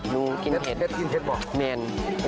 นิ้วกินเผ็ดกินเผ็ดบ่แมน